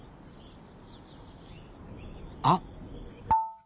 あっ！